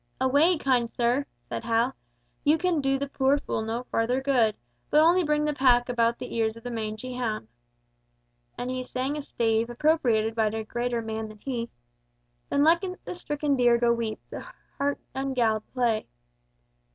"Away, kind sir," said Hal, "you can do the poor fool no further good! but only bring the pack about the ears of the mangy hound." And he sang a stave appropriated by a greater man than he— "Then let the stricken deer go weep, The hart ungalled play."